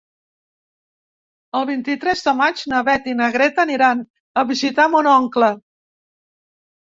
El vint-i-tres de maig na Beth i na Greta aniran a visitar mon oncle.